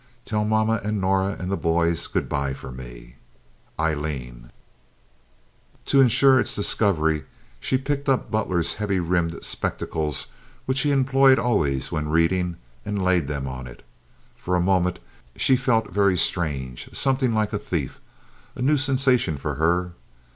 Tell mama and Norah and the boys good by for me. Aileen To insure its discovery, she picked up Butler's heavy rimmed spectacles which he employed always when reading, and laid them on it. For a moment she felt very strange, somewhat like a thief—a new sensation for her.